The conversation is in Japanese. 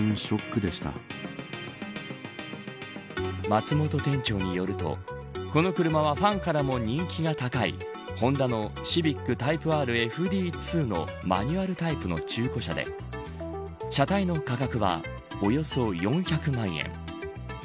松本店長によるとこの車はファンからも人気が高いホンダのシビック、タイプＲＦＤ２のマニュアルタイプの中古車で車体の価格はおよそ４００万円。